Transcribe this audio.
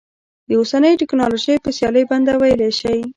د اوسنیو ټکنالوژیو په سیالۍ بنده ویلی شي.